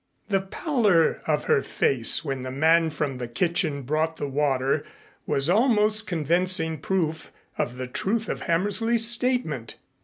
The pallor of her face when the man from the kitchen brought the water was almost convincing proof of the truth of Hammersley's statement.